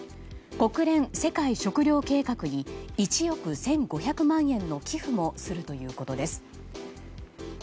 国連世界食糧計画に１憶１５０００万円の寄付もするということです。